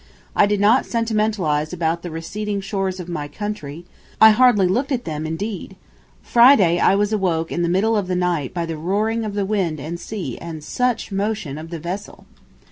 I did not sentimentalize about "the receding shores of my country;" I hardly looked at them, indeed. Friday I was awoke in the middle of the night by the roaring of the wind and sea and such motion of the vessel.